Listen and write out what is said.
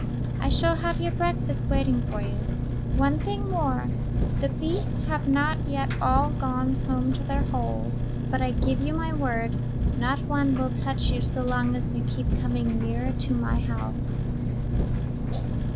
I shall have your breakfast waiting for you. One thing more: the beasts have not yet all gone home to their holes; but I give you my word, not one will touch you so long as you keep coming nearer to my house."